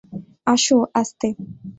আসো, আস্তে।